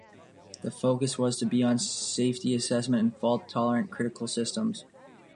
The focus was to be on safety assessment and fault-tolerant critical systems.